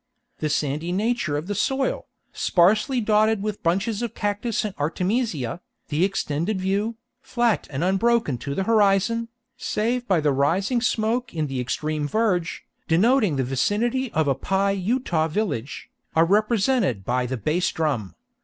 The sandy nature of the soil, sparsely dotted with bunches of cactus and artemisia, the extended view, flat and unbroken to the horizon, save by the rising smoke in the extreme verge, denoting the vicinity of a Pi Utah village, are represented by the bass drum.